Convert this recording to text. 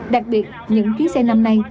đặc biệt những chuyến xe năm nay